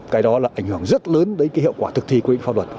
cái đó là ảnh hưởng rất lớn đến cái hiệu quả thực thi của những pháp luật